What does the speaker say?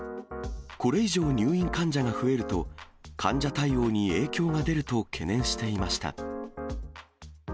これ以上入院患者が増えると、患者対応に影響が出ると懸念していました。